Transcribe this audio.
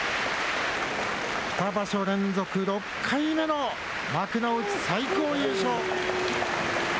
２場所連続６回目の幕内最高優勝。